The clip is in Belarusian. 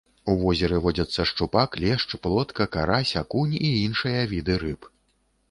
У возеры водзяцца шчупак, лешч, плотка, карась, акунь і іншыя віды рыб.